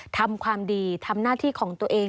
ทำความดีทำหน้าที่ของตัวเอง